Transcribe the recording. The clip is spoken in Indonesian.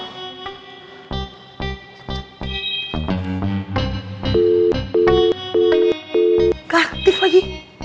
gak aktif lagi